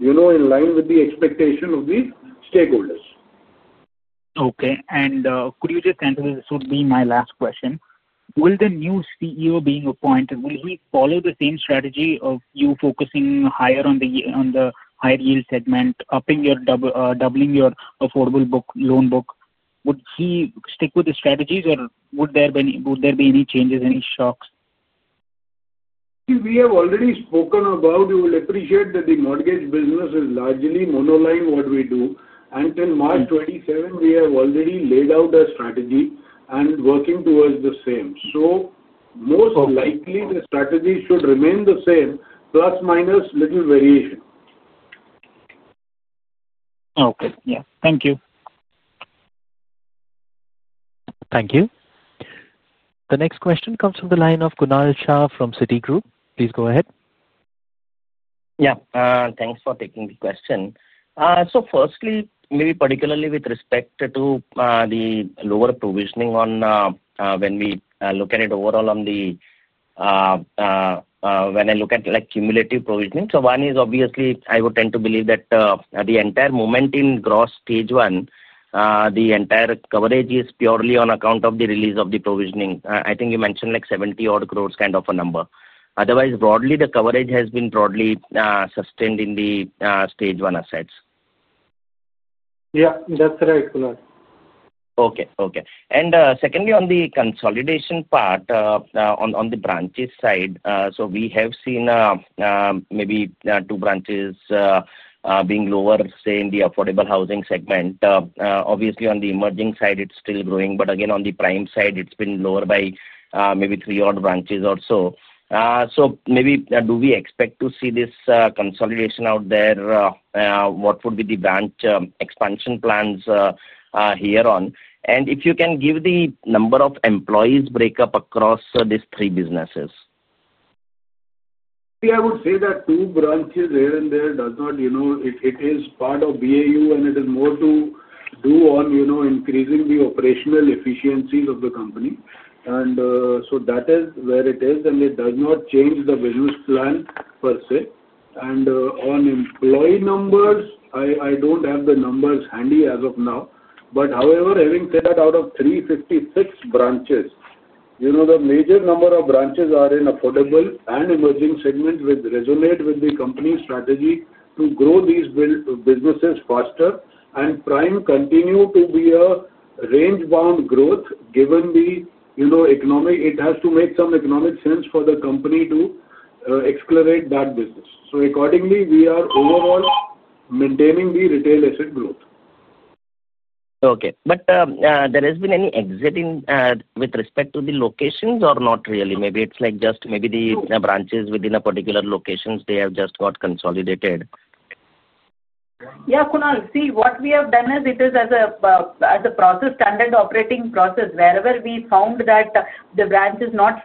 Speaker 3: in line with the expectation of the stakeholders. Okay. Could you just answer this? This would be my last question. Will the new CEO being appointed follow the same strategy of you focusing higher on the higher yield segment, upping or doubling your affordable loan book? Would he stick with the strategies or would there be any changes, any shocks? We have already spoken about, you will appreciate that the mortgage business is largely monoline what we do. Till March 2027, we have already laid out a strategy and are working towards the same. Most likely, the strategy should remain the same, plus minus little variation. Okay, yeah. Thank you.
Speaker 1: Thank you. The next question comes from the line of Kunal Shah from Citigroup. Please go ahead.
Speaker 10: Yeah. Thanks for taking the question. Firstly, maybe particularly with respect to the lower provisioning when we look at it overall, when I look at cumulative provisioning, one is obviously, I would tend to believe that the entire momentum gross stage one, the entire coverage is purely on account of the release of the provisioning. I think you mentioned like 70 crore kind of a number. Otherwise, broadly, the coverage has been broadly sustained in the stage one assets.
Speaker 5: Yeah, that's right, Kunal.
Speaker 10: Okay. Secondly, on the consolidation part, on the branches side, we have seen maybe two branches being lower, say, in the affordable housing segment. Obviously, on the emerging side, it's still growing. On the prime side, it's been lower by maybe three odd branches or so. Do we expect to see this consolidation out there? What would be the branch expansion plans here on? If you can give the number of employees breakup across these three businesses.
Speaker 3: I would say that two branches here and there is part of BAU, and it is more to do with increasing the operational efficiencies of the company. That is where it is, and it does not change the business plan per se. On employee numbers, I don't have the numbers handy as of now. However, having said that, out of 356 branches, the major number of branches are in affordable and emerging segments, which resonate with the company's strategy to grow these businesses faster. Prime continues to be a range-bound growth given the economic environment. It has to make some economic sense for the company to accelerate that business. Accordingly, we are overall maintaining the retail asset growth.
Speaker 10: Okay. Has there been any exit with respect to the locations or not really? Maybe it's just the branches within a particular location, they have just got consolidated.
Speaker 4: Yeah, Kunal. See, what we have done is, as a process, standard operating process, wherever we found that the branch is not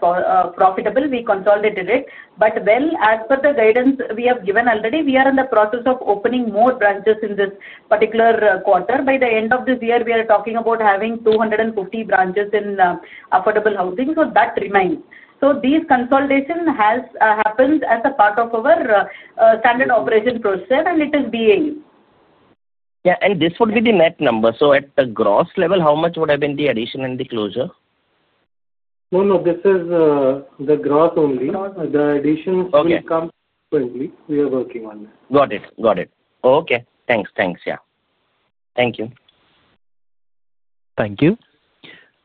Speaker 4: profitable, we consolidated it. As per the guidance we have given already, we are in the process of opening more branches in this particular quarter. By the end of this year, we are talking about having 250 branches in affordable housing. That remains. This consolidation has happened as a part of our standard operation process, and it is BAU.
Speaker 10: Yeah, this would be the net number. At the gross level, how much would have been the addition and the closure?
Speaker 5: No, no. This is the gross only. The additions will come quickly. We are working on that.
Speaker 10: Got it. Okay. Thanks. Thank you.
Speaker 1: Thank you.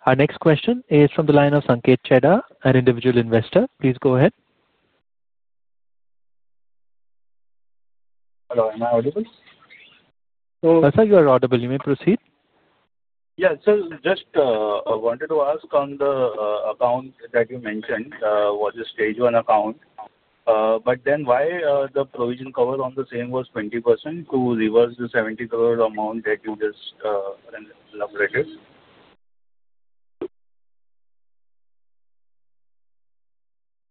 Speaker 1: Our next question is from the line of Sanket Chedha, an individual investor. Please go ahead. Hello. Am I audible? Sir, you are audible. You may proceed. Yeah. Sir, I just wanted to ask on the account that you mentioned was a stage one account. Why was the provision cover on the same 20% to reverse the 70 crore amount that you just elaborated?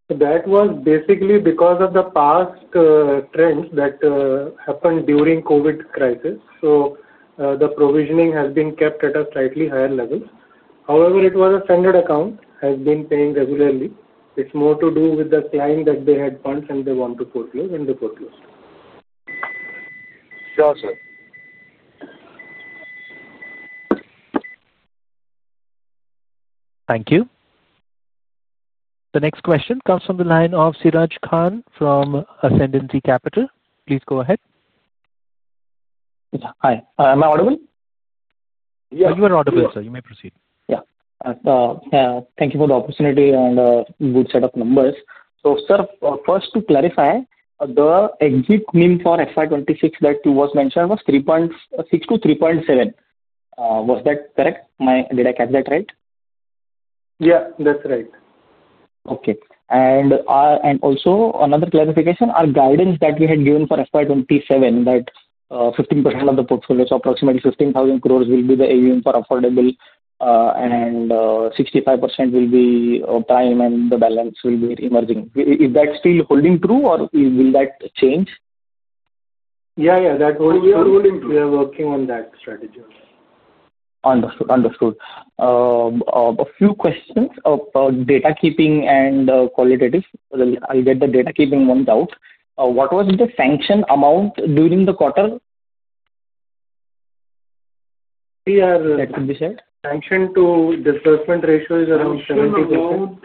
Speaker 5: That was basically because of the past trends that happened during the COVID crisis. The provisioning has been kept at a slightly higher level. However, it was a standard account, has been paying regularly. It's more to do with the client that they had funds and they want to foreclose, and they foreclosed. Sure, sir.
Speaker 1: Thank you. The next question comes from the line of Siraj Khan from Ascendant Capital. Please go ahead.
Speaker 11: Hi. Am I audible?
Speaker 3: Yeah.
Speaker 1: You are audible, sir. You may proceed.
Speaker 11: Thank you for the opportunity and good set of numbers. Sir, first to clarify, the exit NIM for FY 2026 that you mentioned was 3.6% to 3.7%. Was that correct? Did I catch that right?
Speaker 5: Yeah, that's right.
Speaker 11: Okay. Also, another clarification, our guidance that we had given for FY 2027 that 15% of the portfolio, so approximately 15,000 crore will be the AUM for affordable, and 65% will be prime, and the balance will be emerging. Is that still holding true or will that change?
Speaker 5: Yeah, that's still holding true. We are working on that strategy already.
Speaker 11: Understood. A few questions of data keeping and qualitative. I'll get the data keeping ones out. What was the sanction amount during the quarter?
Speaker 5: We are.
Speaker 3: That could be said.
Speaker 5: Sanctioned to disbursement ratio is around 70%.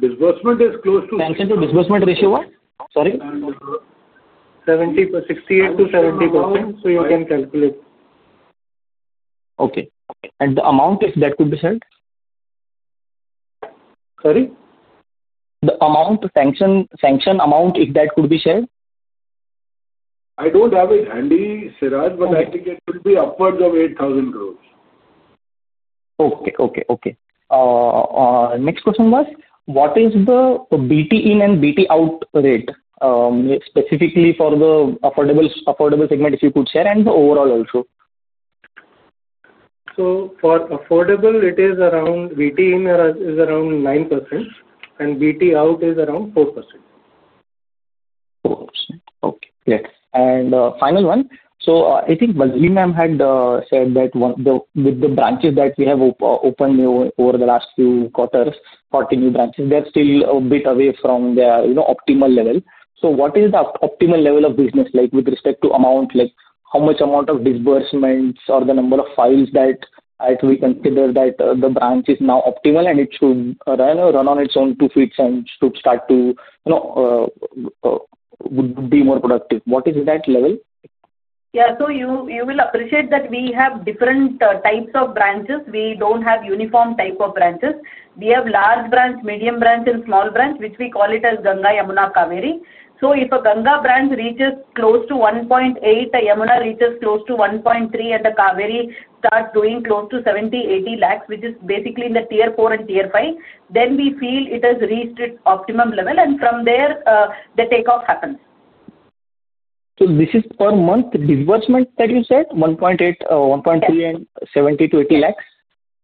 Speaker 3: Disbursement is close to.
Speaker 11: Sanctioned to disbursement ratio was? Sorry.
Speaker 5: 68-70%. You can calculate.
Speaker 11: Okay. Okay. If the amount could be shared?
Speaker 5: Sorry?
Speaker 11: The amount, sanction amount, if that could be shared?
Speaker 3: I don't have it handy, Siraj, but I think it will be upwards of INR 8,000 crore.
Speaker 11: Okay. Next question was, what is the BT in and BT out rate specifically for the affordable segment, if you could share, and overall also?
Speaker 5: For affordable, BT in is around 9%, and BT out is around 4%.
Speaker 11: 4%. Okay. Yes. Final one. I think Mazlee ma'am had said that with the branches that we have opened over the last few quarters, 40 new branches, they're still a bit away from their optimal level. What is the optimal level of business like with respect to amount, like how much amount of disbursements or the number of files that we consider that the branch is now optimal and it should run on its own two feet and should start to, you know, would be more productive? What is that level?
Speaker 4: Yeah. You will appreciate that we have different types of branches. We don't have uniform types of branches. We have large branch, medium branch, and small branch, which we call as Ganga, Yamuna, and Cauvery. If a Ganga branch reaches close to 1.8, a Yamuna reaches close to 1.3, and a Cauvery starts doing close to INR 7o lakh, INR 8o lakh, which is basically in the Tier 4 and Tier 5, we feel it has reached its optimum level. From there, the takeoff happens.
Speaker 11: Is this per month disbursement that you said? 1.8 lakh, INR 1.3 lakh, and INR 700,000 to INR 800,000?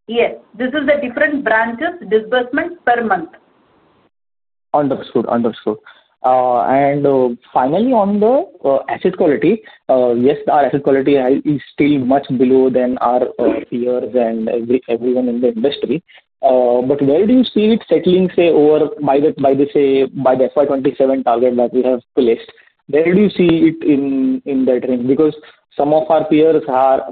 Speaker 4: Yes, this is the different branches' disbursement per month.
Speaker 11: Understood. Finally, on the asset quality, yes, our asset quality is still much below our peers and everyone in the industry. Where do you see it settling, say, over by the FY 2027 target that we have placed? Where do you see it in that range? Some of our peers are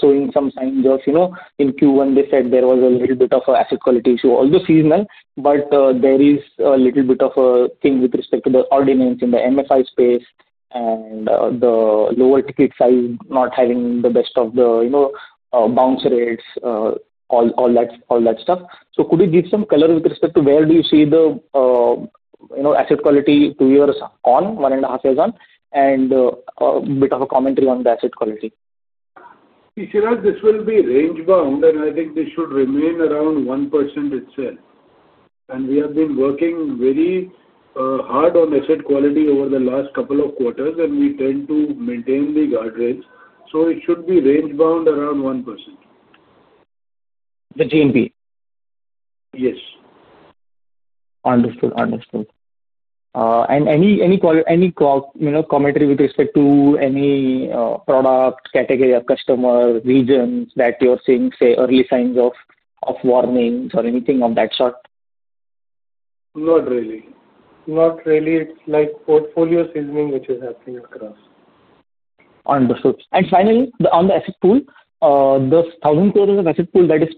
Speaker 11: showing some signs of, you know, in Q1, they said there was a little bit of an asset quality issue, also seasonal. There is a little bit of a thing with respect to the ordinance in the MFI space and the lower ticket size not having the best of the, you know, bounce rates, all that stuff. Could you give some color with respect to where you see the asset quality two years on, one and a half years on, and a bit of a commentary on the asset quality?
Speaker 3: Siraj, this will be range-bound, and I think this should remain around 1% itself. We have been working very hard on asset quality over the last couple of quarters, and we tend to maintain the guardrails. It should be range-bound around 1%.
Speaker 11: The GNP?
Speaker 3: Yes.
Speaker 11: Understood. Understood. Any commentary with respect to any product category or customer regions that you're seeing, say, early signs of warnings or anything of that sort?
Speaker 5: Not really. It's like portfolio seasoning which is happening across.
Speaker 11: Understood. Finally, on the asset pool, the 1,000 crore asset pool that is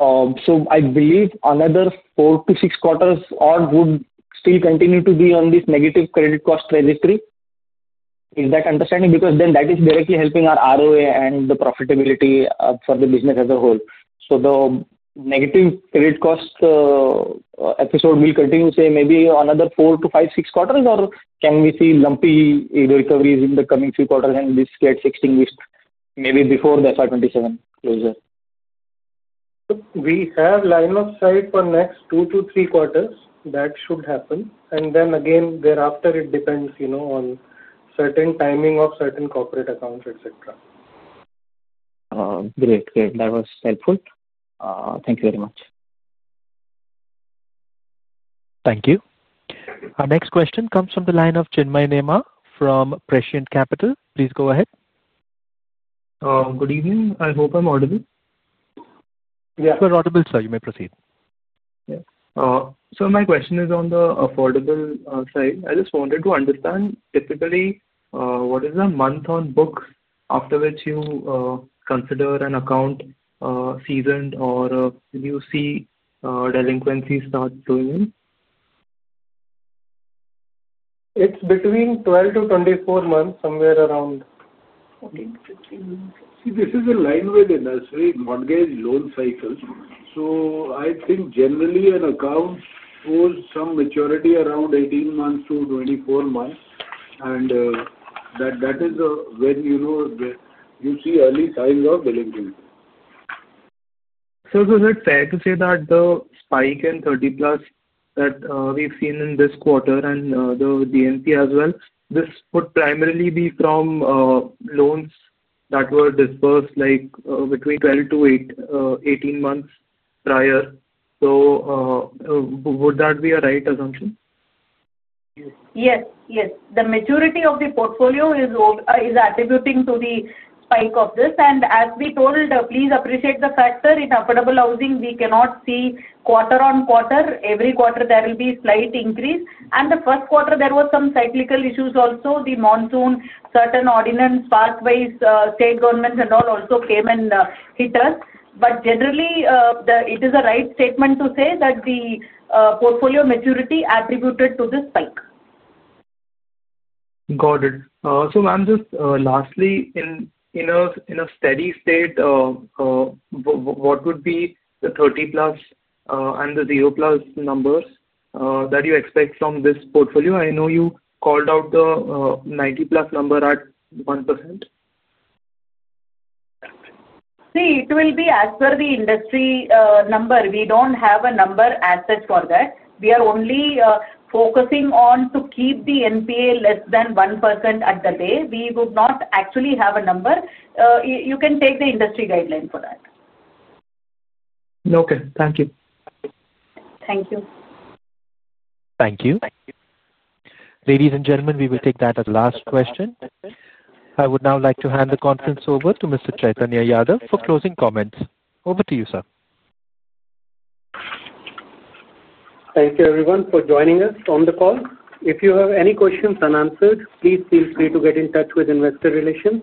Speaker 11: pending, I believe another four to six quarters would still continue to be on this negative credit cost trajectory. Is that understanding? Because that is directly helping our ROA and the profitability for the business as a whole. The negative credit cost episode will continue, maybe another four to five, six quarters, or can we see lumpy recoveries in the coming few quarters and this get extinguished maybe before the FY 2027 closure?
Speaker 5: We have line of sight for next two to three quarters. That should happen. Thereafter, it depends, you know, on certain timing of certain corporate accounts, etc.
Speaker 11: Great. That was helpful. Thank you very much.
Speaker 1: Thank you. Our next question comes from the line of Chinmay Neema from Prashant Capital. Please go ahead. Good evening. I hope I'm audible.
Speaker 3: Yeah.
Speaker 1: You are audible, sir. You may proceed. Yes, my question is on the affordable side. I just wanted to understand, typically, what is the month on books after which you consider an account seasoned or do you see delinquency start doing it?
Speaker 5: It's between 12-24 months, somewhere around.
Speaker 3: This is a line with the nursery mortgage loan cycles. I think generally, an account holds some maturity around 18 months-24 months. That is when you see early signs of delinquency. Sir, was it fair to say that the spike in 30+ that we've seen in this quarter and the DNP as well, this would primarily be from loans that were disbursed like between 12-18 months prior? Would that be a right assumption? Yes.
Speaker 4: Yes. Yes. The maturity of the portfolio is attributing to the spike of this. As we told, please appreciate the factor in affordable housing. We cannot see quarter-on-quarter. Every quarter, there will be a slight increase. In the first quarter, there were some cyclical issues also. The monsoon, certain ordinance, parkways, state governments, and all also came and hit us. Generally, it is a right statement to say that the portfolio maturity attributed to the spike. Got it. Ma'am, just lastly, in a steady state, what would be the 30+ and the 0+ numbers that you expect from this portfolio? I know you called out the 90+ number at 1%. See, it will be as per the industry number. We don't have a number as such for that. We are only focusing on to keep the NPA less than 1% at the day. We would not actually have a number. You can take the industry guideline for that. Okay, thank you. Thank you.
Speaker 1: Thank you. Ladies and gentlemen, we will take that as the last question. I would now like to hand the conference over to Mr. Chaitanya Yadav for closing comments. Over to you, sir.
Speaker 2: Thank you, everyone, for joining us on the call. If you have any questions unanswered, please feel free to get in touch with Investor Relations.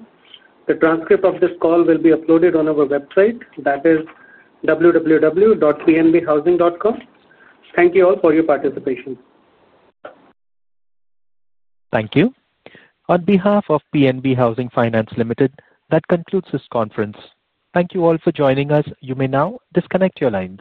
Speaker 2: The transcript of this call will be uploaded on our website, which is www.pnbhousing.com. Thank you all for your participation.
Speaker 1: Thank you. On behalf of PNB Housing Finance Limited, that concludes this conference. Thank you all for joining us. You may now disconnect your lines.